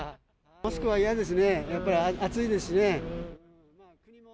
マスクは嫌ですね、やっぱり暑いですね。